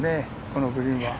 このグリーンは。